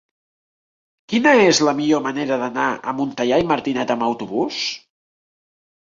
Quina és la millor manera d'anar a Montellà i Martinet amb autobús?